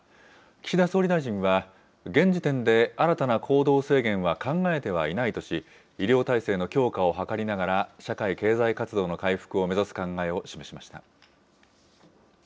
岸田総理大臣は、現時点で新たな行動制限は考えてはいないとし、医療体制の強化を図りながら、社会経済活動の回復を目指す考えを示しました。